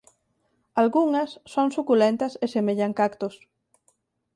Algunhas son suculentas e semellan cactos.